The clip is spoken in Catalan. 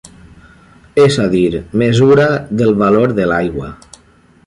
És a dir, mesura del valor de l'aigua.